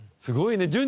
すごいね。